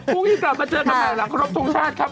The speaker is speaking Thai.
พรุ่งนี้กลับมาเจอกันใหม่หลังครบทรงชาติครับ